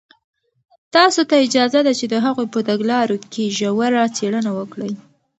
تاسو ته اجازه ده چې د هغوی په تګلارو کې ژوره څېړنه وکړئ.